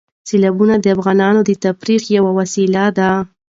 سیلابونه د افغانانو د تفریح یوه وسیله ده.